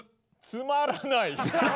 つまらない。